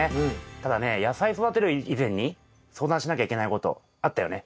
ただね野菜育てる以前に相談しなきゃいけないことあったよね？